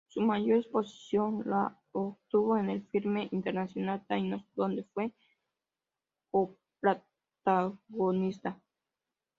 Su mayor exposición la obtuvo en el filme internacional "Taínos" donde fue coprotagonista.